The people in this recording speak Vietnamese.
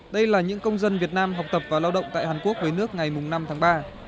đây là những công dân việt nam học tập và lao động tại hàn quốc với nước ngày năm tháng ba